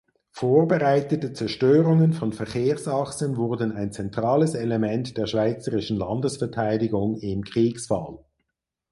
Vorbereitete Zerstörungen von Verkehrsachsen wurden ein zentrales Element der schweizerischen Landesverteidigung im Kriegsfall.